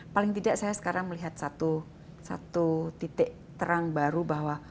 paling tidak saya sekarang melihat satu titik terang baru bahwa